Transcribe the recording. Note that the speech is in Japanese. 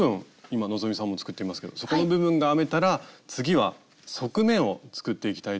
今希さんも作っていますけど底の部分が編めたら次は側面を作っていきたいと思います。